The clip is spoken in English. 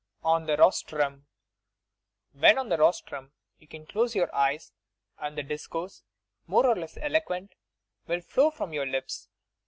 ON THE HOSTRUM When on the rostrum, you can close your eyes and the discourse, more or less eloquent, will flow from your lips.